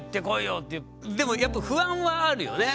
でもやっぱ不安はあるよね？